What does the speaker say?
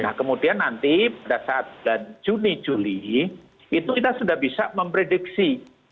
nah kemudian nanti pada saat juni juli itu kita sudah bisa memprediksi